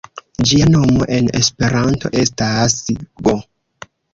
Ĝia nomo en Esperanto estas go.